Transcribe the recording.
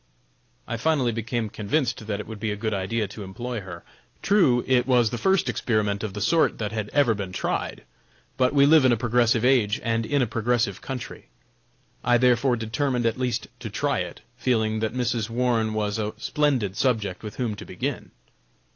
I finally became convinced that it would be a good idea to employ her. True, it was the first experiment of the sort that had ever been tried; but we live in a progressive age, and in a progressive country. I therefore determined at least to try it, feeling that Mrs. Warne was a splendid subject with whom to begin.